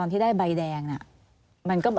อันดับ๖๓๕จัดใช้วิจิตร